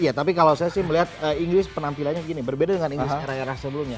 iya tapi kalau saya sih melihat inggris penampilannya gini berbeda dengan inggris era era sebelumnya